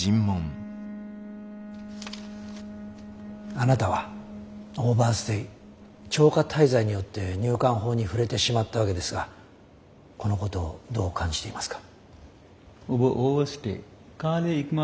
あなたはオーバーステイ超過滞在によって入管法に触れてしまったわけですがこのことをどう感じていますか？